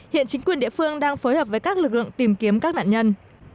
hiện chính quyền địa phương đang phối hợp với các lực lượng tìm kiếm các nạn nhân